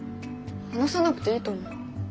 話さなくていいと思う。